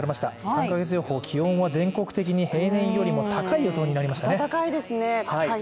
３か月予報、気温は全国的に平年より高い予報になりました。